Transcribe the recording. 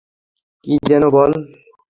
কি যে বল।